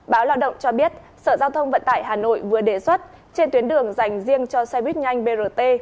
báo lao động cho biết sở giao thông vận tải hà nội vừa đề xuất trên tuyến đường dành riêng cho xe buýt nhanh brt